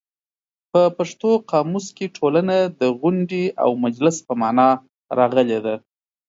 په پښتو قاموس کې ټولنه د غونډې او مجلس په مانا راغلې ده.